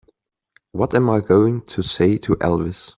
What am I going to say to Elvis?